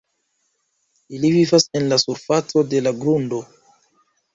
Ili vivas en la surfaco de la grundo.